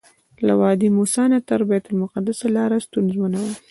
له وادي موسی نه تر بیت المقدسه لاره ستونزمنه وه.